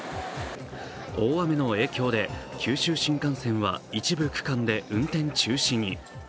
大雨の影響で、九州新幹線は一部区間で運転中止に。